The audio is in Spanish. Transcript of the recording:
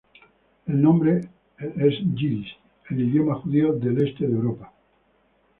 El nombre es yiddish, el idioma judío del este de Europa.